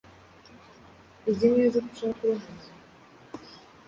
Uzi neza ko ushaka kuba hano?